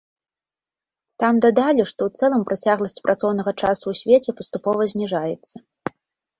Там дадалі, што ў цэлым працягласць працоўнага часу ў свеце паступова зніжаецца.